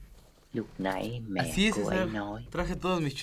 Lúc nãy mẹ cô ấy nói